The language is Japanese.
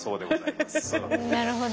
なるほどね。